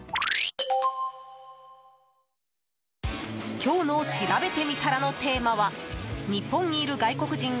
今日のしらべてみたらのテーマは日本にいる外国人が